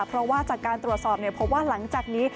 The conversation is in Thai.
เพราะว่าจากการตรวจสอบพบว่าหลังจากนี้